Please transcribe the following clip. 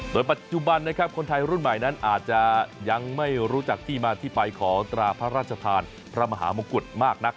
โดยปัจจุบันนะครับคนไทยรุ่นใหม่นั้นอาจจะยังไม่รู้จักที่มาที่ไปของตราพระราชทานพระมหามงกุฎมากนัก